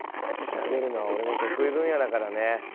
調べるのは俺の得意分野だからね。